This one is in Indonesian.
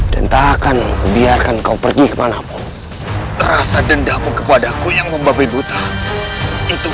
dan tak akan membiarkan kau pergi kemanapun rasa dendamu kepada aku yang membabai buta itu